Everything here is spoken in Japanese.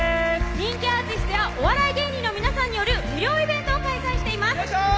人気アーティストやお笑い芸人の皆さんによる無料イベントを開催しています。